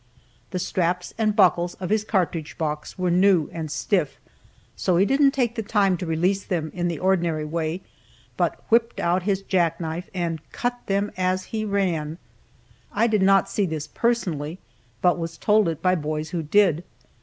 The straps and buckles of his cartridge box were new and stiff, so he didn't take the time to release them in the ordinary way, but whipped out his jack knife and cut them as he ran. I did not see this personally, but was told it by boys who did.